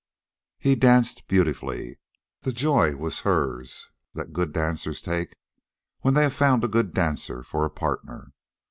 He danced beautifully. The joy was hers that good dancers take when they have found a good dancer for a partner.